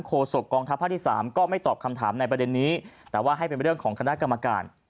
โศกกองทัพภาคที่สามก็ไม่ตอบคำถามในประเด็นนี้แต่ว่าให้เป็นเรื่องของคณะกรรมการ